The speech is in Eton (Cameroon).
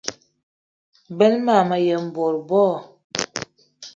Benn ma me yen bot bo.